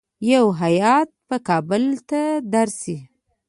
یو هیات به کابل ته درسي.